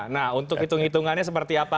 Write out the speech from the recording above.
nah untuk hitung hitungannya seperti apa